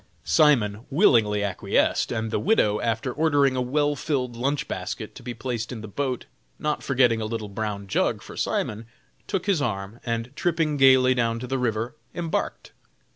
Simon willingly acquiesced, and the widow, after ordering a well filled lunch basket to be placed in the boat, not forgetting a "little brown jug" for Simon, took his arm, and tripping gaily down to the river, embarked.